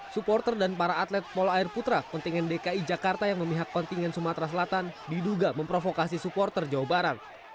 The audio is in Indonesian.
supporter dan para atlet polo air putra kontingen dki jakarta yang memihak kontingen sumatera selatan diduga memprovokasi supporter jawa barat